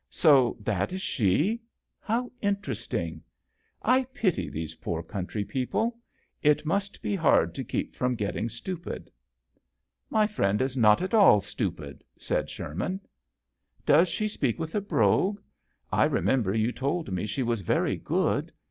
So that is she ? How interesting ! I pity these poor country people. It must be hard to keep from getting stupid. " 80 JOHN SHERMAN. " My friend is not at all stupid," said Sherman. " Does she speakwith a brogue? I remember you told me she was very good.